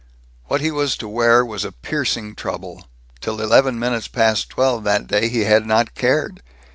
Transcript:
What he was to wear was a piercing trouble. Till eleven minutes past twelve that day he had not cared.